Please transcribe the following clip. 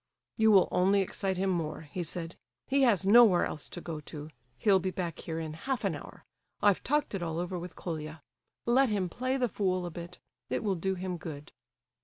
"You will only excite him more," he said. "He has nowhere else to go to—he'll be back here in half an hour. I've talked it all over with Colia; let him play the fool a bit, it will do him good."